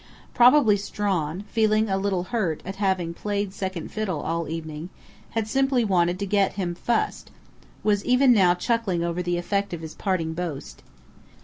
Probably Strawn, feeling a little hurt at having played second fiddle all evening, had simply wanted to get him fussed, was even now chuckling over the effect of his parting boast....